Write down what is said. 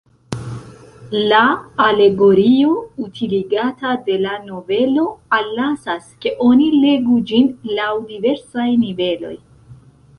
La alegorio utiligata de la novelo allasas, ke oni legu ĝin laŭ diversaj niveloj.